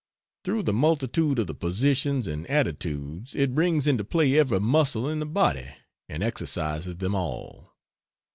Through the multitude of the positions and attitudes it brings into play every muscle in the body and exercises them all.